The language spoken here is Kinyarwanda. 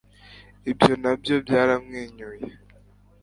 Ibyo na byo byaramwenyuye